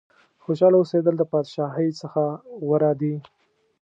خوشاله اوسېدل د بادشاهۍ څخه غوره دي.